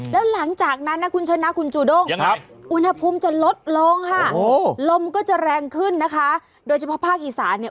แล้วหลังจากนั้นนะคุณชนะคุณจูด้งอุณหภูมิจะลดลงค่ะลมก็จะแรงขึ้นนะคะโดยเฉพาะภาคอีสานเนี่ย